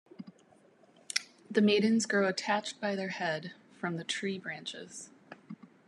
The maidens grow attached by their head from the tree branches.